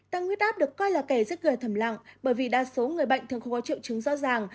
tăng huyết áp được coi là kẻ giết người thầm lặng bởi vì đa số người bệnh thường không có triệu chứng rõ ràng